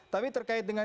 tapi terkait dengan